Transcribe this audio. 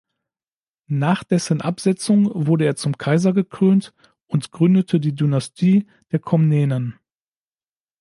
Nach dessen Absetzung wurde er zum Kaiser gekrönt und gründete die Dynastie der Komnenen.